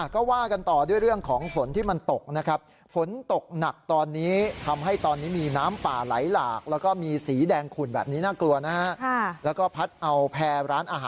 ก็ว่ากันต่อด้วยเรื่องของฝนที่มันตกนะครับ